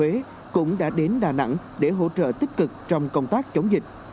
bộ y tế và các y bác sĩ ở bệnh viện hồ huế cũng đã đến đà nẵng để hỗ trợ tích cực trong công tác chống dịch